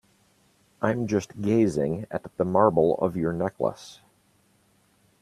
I'm just gazing at the marble of your necklace.